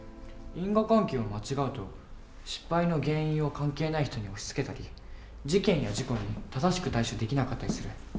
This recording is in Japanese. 因果関係を間違うと失敗の原因を関係ない人に押しつけたり事件や事故に正しく対処できなかったりする。